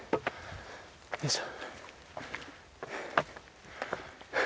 よいしょ。